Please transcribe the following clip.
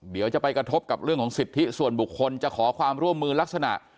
เดี๋ยวจะไปกระทบกับเรื่องของสิทธิส่วนบุคคลจะขอความร่วมมือลักษณะ